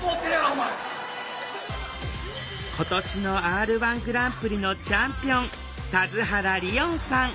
今年のＲ−１グランプリのチャンピオン田津原理音さん。